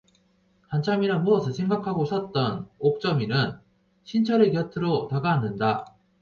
한참이나 무엇을 생각하고 섰던 옥점이는 신철의 곁으로 다가앉는다.